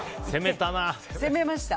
攻めました。